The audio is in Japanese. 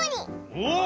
おっ！